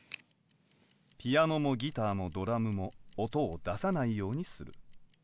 ピアノもギターもドラムも音を出さないようにする。